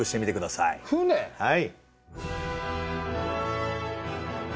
はい。